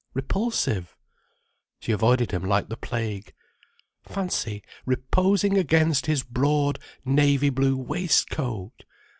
Repulsive. She avoided him like the plague. Fancy reposing against his broad, navy blue waistcoat!